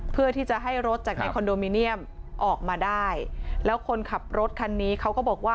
เพื่อที่จะให้รถจากในคอนโดมิเนียมออกมาได้แล้วคนขับรถคันนี้เขาก็บอกว่า